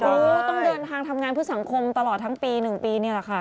ต้องเดินทางทำงานเพื่อสังคมตลอดทั้งปี๑ปีนี่แหละค่ะ